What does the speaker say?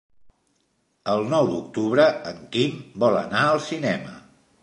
El nou d'octubre en Quim vol anar al cinema.